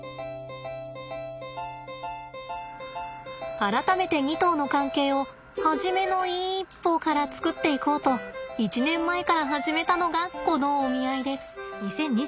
改めて２頭の関係を初めの一歩から作っていこうと１年前から始めたのがこのお見合いです。